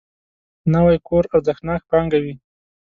نوی کور ارزښتناک پانګه وي